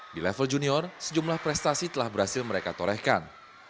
di level junior sejumlah prestasi telah berhasil mereka torehkan